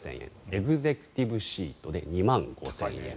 エグゼクティブシートで２万５０００円。